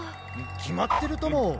きまってるとも。